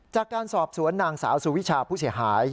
จากการสอบสวนนางสาวสุวิชาผู้เสียหาย